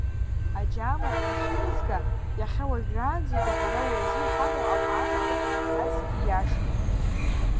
Аџьаама атәы анцәырзга, иахьа уажәраанӡагьы ҳара уиазы иҳамоу агәаанагара зынӡаскгьы ииашам.